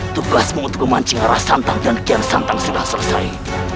tugasmu untuk memancing arah santan dan kian santan sudah selesai